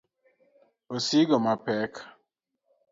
osigo mapek.